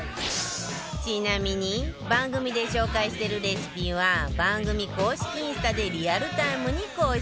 ちなみに番組で紹介してるレシピは番組公式インスタでリアルタイムに更新中